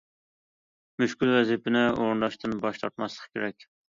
مۈشكۈل ۋەزىپىنى ئورۇنداشتىن باش تارتماسلىق كېرەك.